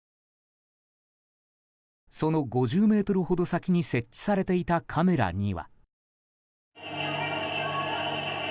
その５０ｍほど先に設置されていたカメラには。